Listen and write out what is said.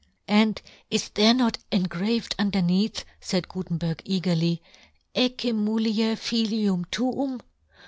" And " is there not engraved underneath," faid Gutenberg, eagerly, " Fjcce mulier ^^Jilium tuum